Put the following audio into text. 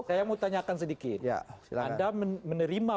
saya mau tanyakan sedikit anda menerima